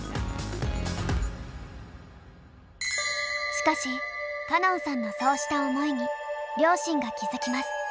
しかし歌音さんのそうした思いに両親が気付きます。